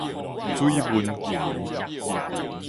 水紋墘